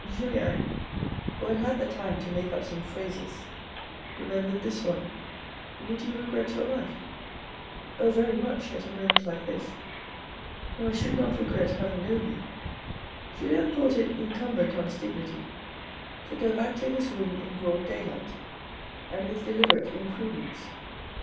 Julien, who had had the time to make up some phrases, remembered this one, " Would you regret your life ?"" Oh, very much at a moment like this, but I should not regret having known you." Julien thought it incumbent on his dignity to go back to his room in broad daylight and with deliberate imprudence.